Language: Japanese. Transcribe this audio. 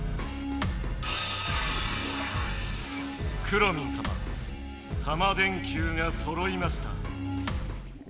くろミンさまタマ電Ｑがそろいました。